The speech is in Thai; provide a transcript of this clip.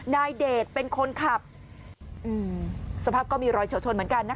นายเดชเป็นคนขับสภาพก็มีรอยเฉียวชนเหมือนกันนะคะ